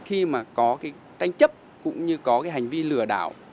khi mà có cái tanh chấp cũng như có cái hành vi lừa đáy